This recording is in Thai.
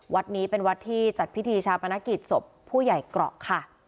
วัดนี้เป็นวัดที่จัดพิธีชาปนกิจศพผู้ใหญ่เกราะค่ะ